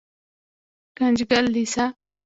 ګنجګل لېسه